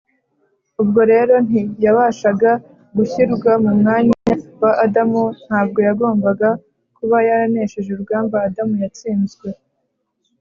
. Ubwo rero nti yabashaga gushyirwa mu mwanya wa Adamu; Ntabwo yagombaga kuba yaranesheje urugamba Adamu yatsinzwe